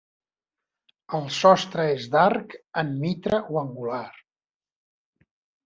El sostre és d'arc en mitra o angular.